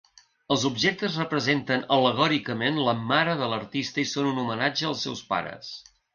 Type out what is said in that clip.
Els objectes representen al·legòricament la mare de l'artista i són un homenatge als seus pares.